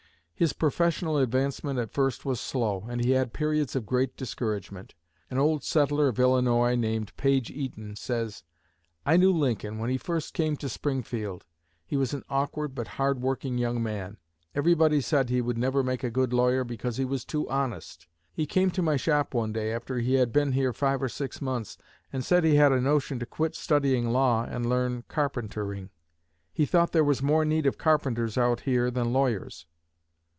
His professional advancement at first was slow, and he had periods of great discouragement. An old settler of Illinois, named Page Eaton, says: "I knew Lincoln when he first came to Springfield. He was an awkward but hard working young man. Everybody said he would never make a good lawyer because he was too honest. He came to my shop one day, after he had been here five or six months, and said he had a notion to quit studying law and learn carpentering. He thought there was more need of carpenters out here than lawyers."